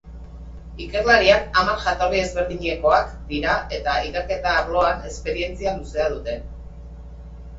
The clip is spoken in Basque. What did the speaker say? Ikerlariak hamar jatorri ezberdinekoak dira eta ikerketa arloan esperientzia luzea dute.